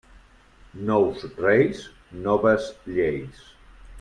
Nous reis, noves lleis.